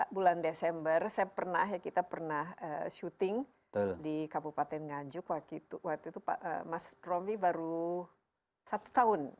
bulan desember saya pernah ya kita pernah syuting di kabupaten nganjuk waktu itu mas romli baru satu tahun